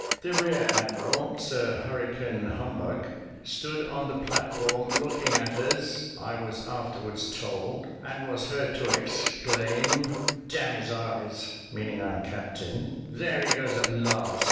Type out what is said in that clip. The rear admiral, Sir Hurricane Humbug, stood on the platform looking at us (I was afterwards told), and was heard to exclaim, "D n his eyes" (meaning our captain), "there he goes at last!